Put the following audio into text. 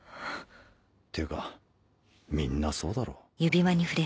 っていうかみんなそうだろ。